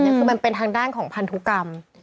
คือมันเป็นทางด้านของพันธุกรรม